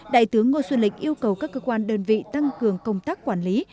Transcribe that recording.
đại tướng ngô xuân lịch yêu cầu các cơ quan đơn vị tăng cường công tác quản lý